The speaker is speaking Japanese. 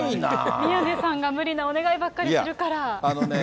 宮根さんが無理なお願いばっかりするから。